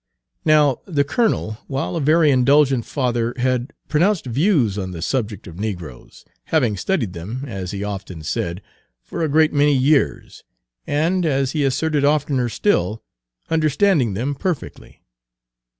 Now, the colonel, while a very indulgent father, had pronounced views on the subject of negroes, having studied them, as he often said, for a great many years, and, as he Page 177 asserted oftener still, understanding them perfectly.